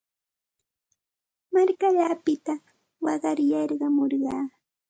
Markallaapita waqar yarqamurqaa.